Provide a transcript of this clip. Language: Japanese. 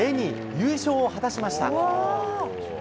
優勝を果たしました。